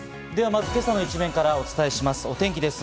まず今朝の一面からお伝えします。